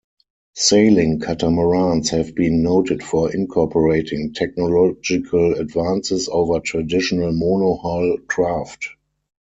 Sailing catamarans have been noted for incorporating technological advances over traditional monohull craft.